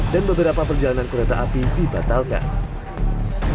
dan beberapa perjalanan kereta api dibatalkan